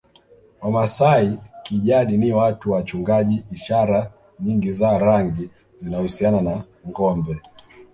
Wamasai kijadi ni watu wachungaji ishara nyingi za rangi zinahusiana na ngombe